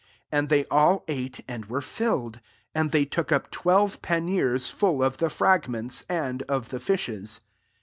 42 And they all ate, and were filled. 43 And they took up twelve panniers full of the fragments, and of the fishes.